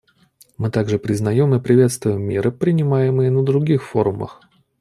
Мы также признаем и приветствуем меры, принимаемые на других форумах.